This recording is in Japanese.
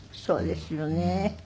そうですよね。